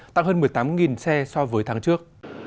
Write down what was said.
tăng hơn một mươi tám xe so với tháng trước